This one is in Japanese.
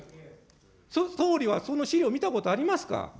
総理はその資料、見たことありますか。